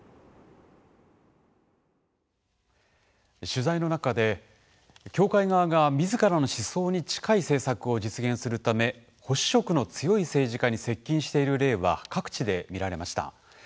取材の中で教会側がみずからの思想に近い政策を実現するため保守色の強い政治家に接近している例は各地で見られました。